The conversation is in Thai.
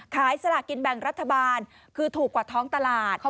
สลากินแบ่งรัฐบาลคือถูกกว่าท้องตลาด